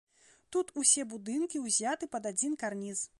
Тут усе будынкі ўзяты пад адзін карніз.